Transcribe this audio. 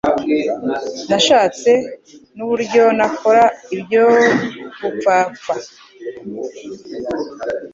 nashatse nuburyo nakora iby'ubupfapfa